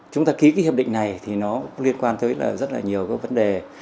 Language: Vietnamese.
chúng ta ký hiệp định này thì nó liên quan tới rất là nhiều vấn đề